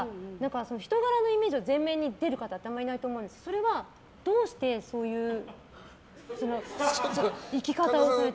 人柄のイメージが前面に出る方ってあんまりいないと思うんですけどそれは、どうしてそういう生き方をされて。